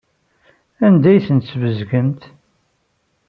Anda ay tent-tesbezgemt?